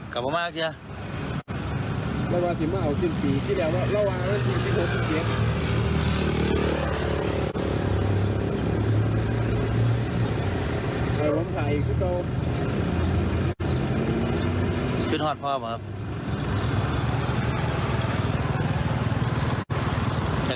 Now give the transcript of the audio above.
คุณหอดพอบ่ะครับ